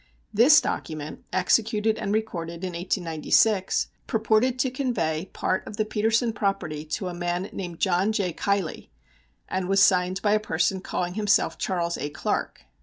This document, executed and recorded in 1896, purported to convey part of the Petersen property to a man named John J. Keilly, and was signed by a person calling himself Charles A. Clark.